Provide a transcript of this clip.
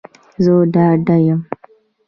زه ډاډه یم